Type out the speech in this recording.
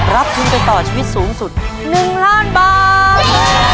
รับทุนไปต่อชีวิตสูงสุด๑ล้านบาท